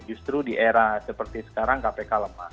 justru di era seperti sekarang kpk lemah